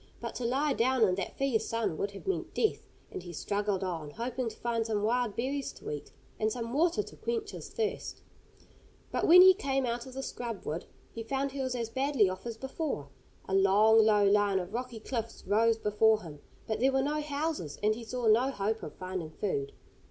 But to lie down in that fierce sun would have meant death, and he struggled on, hoping to find some wild berries to eat, and some water to quench his thirst. But when he came out of the scrub wood, he found he was as badly off as before. A long, low line of rocky cliffs rose before him, but there were no houses, and he saw no hope of finding food.